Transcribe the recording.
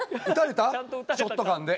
ショットガンで。